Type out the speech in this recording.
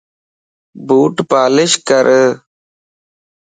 ٻوٽ پالش ڪر